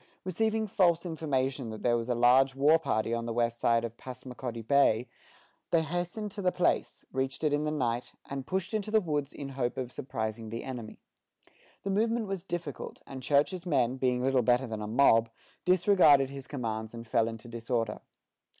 Receiving false information that there was a large war party on the west side of Passamaquoddy Bay, they hastened to the place, reached it in the night, and pushed into the woods in hope of surprising the enemy. The movement was difficult; and Church's men, being little better than a mob, disregarded his commands, and fell into disorder.